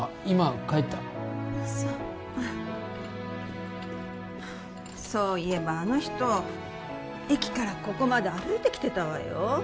今帰ったあっそうそういえばあの人駅からここまで歩いて来てたわよ